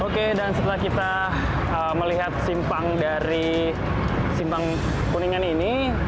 oke dan setelah kita melihat simpang dari simpang kuningan ini